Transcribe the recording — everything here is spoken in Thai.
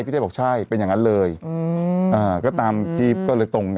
พี่เต้บอกใช่เป็นอย่างงั้นเลยอืมอ่าก็ตามพี่ก็เลยตรงกัน